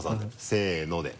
せので。